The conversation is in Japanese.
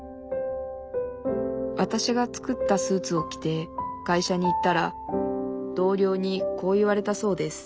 わたしが作ったスーツを着て会社に行ったら同僚にこう言われたそうです